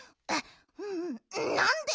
んなんで？